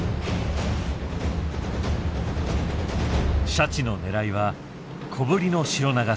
シャチの狙いは小ぶりのシロナガスクジラ。